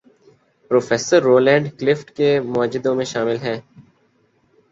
Professor Roland Clift کے موجدوں میں شامل ہیں۔